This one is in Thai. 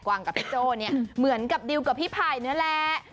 วางกับพี่โจ้เนี่ยเหมือนกับดิวกับพี่ไผ่นี่แหละ